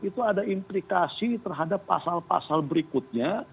itu ada implikasi terhadap pasal pasal berikutnya